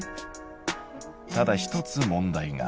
ただ一つ問題が。